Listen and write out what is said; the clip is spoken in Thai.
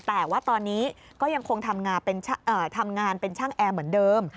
แต่ว่าตอนนี้ก็ยังคงทำงานเป็นช่างแอร์เหมือนเดิม